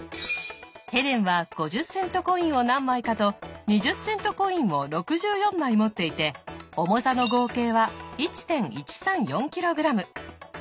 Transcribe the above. ヘレンは５０セントコインを何枚かと２０セントコインを６４枚持っていて重さの合計は１．１３４ｋｇ。